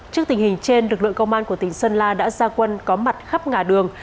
trước tình hình trên lực lượng công an của tỉnh sơn la đã ra quân có mặt khắp ngã đường